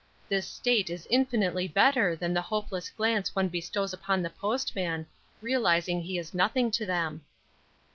This state is infinitely better than the hopeless glance one bestows upon the postman, realizing he is nothing to them.